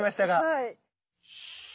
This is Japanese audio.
はい。